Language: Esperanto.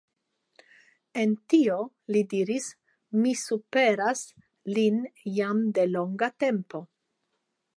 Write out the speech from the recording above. En tio, li diris, mi superas lin jam de longa tempo.